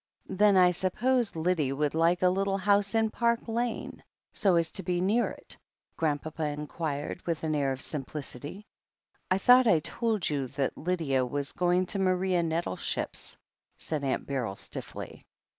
"Then I suppose Lyddie would like a little house in Park Lane, so as to be near it?" Grandpapa inquired with q| air of simplicity. "I thought I told you that Lydia was going to Maria Nettleship's," saicTAunt Beryl stiffly.